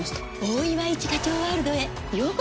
大岩一課長ワールドへようこそ！